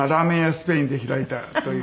スペインで開いたという。